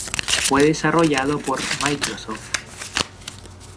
Fue desarrollado por Microsoft.